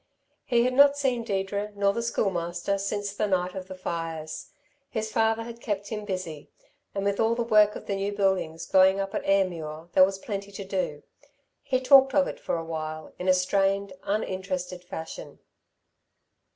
He had not seen Deirdre, nor the Schoolmaster, since the night of the fires. His father had kept him busy; and with all the work of the new buildings going up at Ayrmuir there was plenty to do. He talked of it for a while in a strained, uninterested fashion.